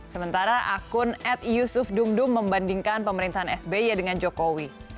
sementara akun ad yusuf dumdum membandingkan pemerintahan sby dengan jokowi